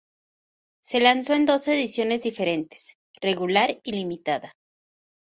Se lanzó en dos ediciones diferentes: Regular y Limitada.